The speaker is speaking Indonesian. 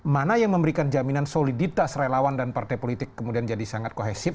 mana yang memberikan jaminan soliditas relawan dan partai politik kemudian jadi sangat kohesif